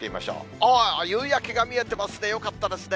ああ、夕焼けが見えてますね、よかったですね。